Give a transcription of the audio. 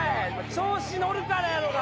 調子乗るからやろうが！